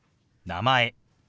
「名前」。